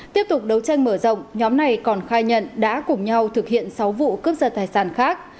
tiếp tục đấu tranh mở rộng nhóm này còn khai nhận đã cùng nhau thực hiện sáu vụ cướp giật tài sản khác